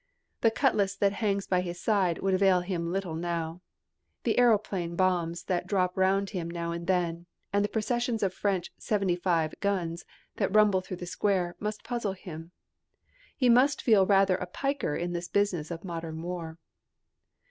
The cutlass that hangs by his side would avail him little now. The aeroplane bombs that drop round him now and then, and the processions of French "seventy five" guns that rumble through the Square, must puzzle him. He must feel rather a piker in this business of modern war.